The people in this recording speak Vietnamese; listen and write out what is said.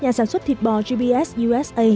nhà sản xuất thịt bò gbs usa